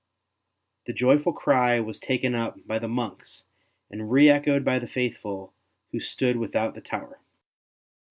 The joyful cry was taken up by the monks and re echoed by the faithful who ST. BENEDICT 57 stood without the tower.